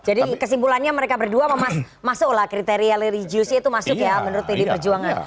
jadi kesimpulannya mereka berdua masuk lah kriteria religiusnya itu masuk ya menurut pdi perjuangan